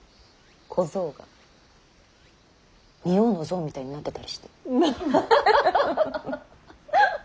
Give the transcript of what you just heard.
小僧が仁王の像みたいになってたりして。